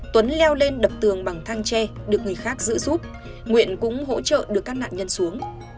tuấn leo lên đập tường bằng thang tre được người khác giữ giúp nguyện cũng hỗ trợ được các nạn nhân xuống